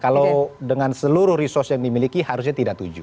kalau dengan seluruh resource yang dimiliki harusnya tidak tujuh